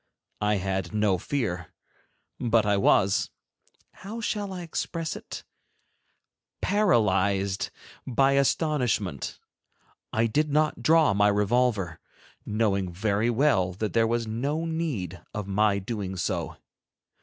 I had no fear, but I was—how shall I express it—paralyzed by astonishment. I did not draw my revolver, knowing very well that there was no need of my doing so.